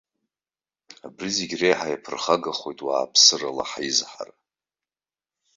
Абри зегь реиҳа иаԥырхагахоит уааԥсырала ҳаизҳара.